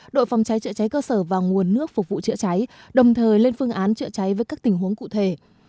đội phòng cháy chữa cháy cơ sở và nguồn nước phục vụ chữa cháy đồng thời lên phương án chữa cháy với các tình huống cụ thể